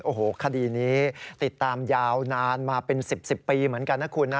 โอ้โหคดีนี้ติดตามยาวนานมาเป็น๑๐ปีเหมือนกันนะคุณนะ